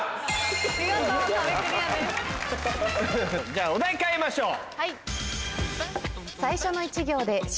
じゃあお題変えましょう。